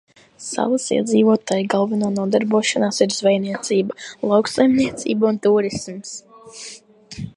Salas iedzīvotāju galvenā nodarbošanās ir zvejniecība, lauksaimniecība un tūrisms.